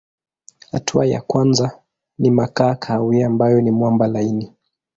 Hatua ya kwanza ni makaa kahawia ambayo ni mwamba laini.